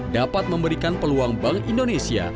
dapat memberikan peluang bank indonesia